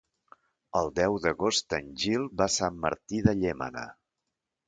El deu d'agost en Gil va a Sant Martí de Llémena.